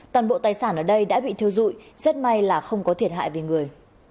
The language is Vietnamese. toàn bộ tài sản ở đây đã bị thiêu dụi rất may là không có thiệt hại về người